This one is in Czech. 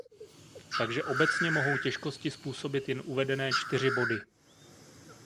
Takže obecně mohou těžkosti způsobit jen uvedené čtyři body.